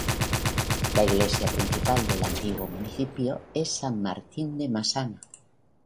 La iglesia principal del antiguo municipio es San Martín de Masana.